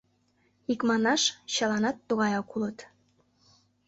— Икманаш, чыланат тугаяк улыт.